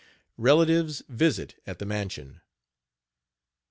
RELATIVES VISIT AT THE MANSION.